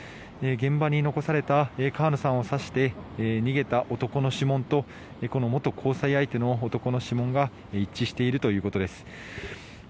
現場に残された川野さんを刺して逃げた男の指紋とこの元交際相手の男の指紋が一致しているということです。